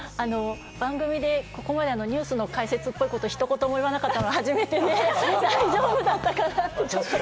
番組でここまで、ニュースの解説っぽいことをひと言も言わなかったのが初めてで、大丈夫だったかなって。